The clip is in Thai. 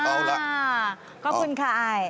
ขอบคุณค่ะอ้าย